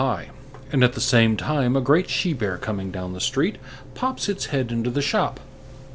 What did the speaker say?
gif)] and at the same time a great she bear, coming down the street, pops its head into the shop.